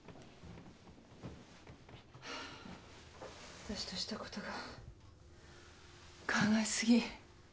わたしとしたことが考え過ぎ。